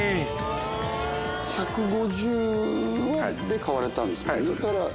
１５０で買われたんですよね。